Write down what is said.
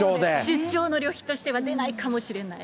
出張の旅費としては出ないかもしれない？